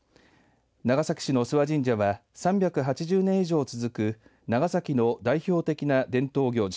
長崎市の諏訪神社は３８０年以上続く長崎の代表的な伝統行事